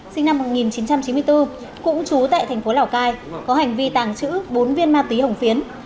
sinh năm một nghìn chín trăm chín mươi bốn cũng trú tại thành phố lào cai có hành vi tàng trữ bốn viên ma túy hồng phiến